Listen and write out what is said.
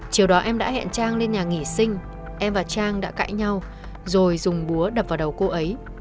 chiều đó em đã hẹn trang lên nhà nghỉ sinh em và trang đã cãi nhau rồi dùng búa đập vào đầu cô ấy